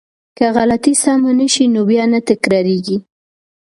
که غلطی سمه شي نو بیا نه تکراریږي.